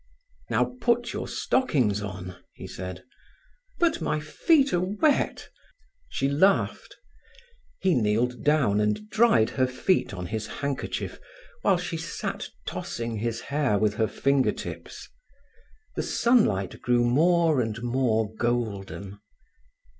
"Now put your stockings on," he said. "But my feet are wet." She laughed. He kneeled down and dried her feet on his handkerchief while she sat tossing his hair with her finger tips. The sunlight grew more and more golden.